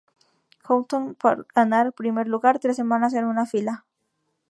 Countdown por ganar primer lugar tres semanas en una fila.